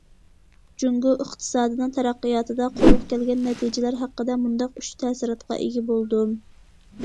جۇڭگو ئىقتىسادىنىڭ تەرەققىياتىدا قولغا كەلگەن نەتىجىلەر ھەققىدە مۇنداق ئۈچ تەسىراتقا ئىگە بولدۇم.